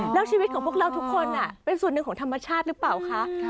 แล้วชีวิตของพวกเราทุกคนเป็นส่วนหนึ่งของธรรมชาติหรือเปล่าคะ